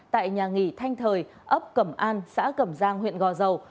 tại nhà nghỉ thanh thời ấp cẩm an xã cẩm giang huyện gò dầu